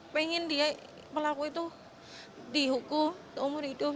pengen dia pelaku itu dihukum seumur hidup